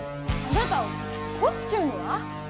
あなたコスチュームは？